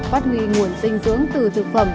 phát huy nguồn dinh dưỡng từ thực phẩm